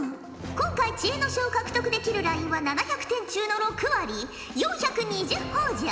今回知恵の書を獲得できるラインは７００点中の６割４２０ほぉじゃ。